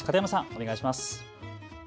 お願いします。